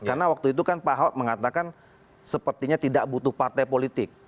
karena waktu itu kan pak ahok mengatakan sepertinya tidak butuh partai politik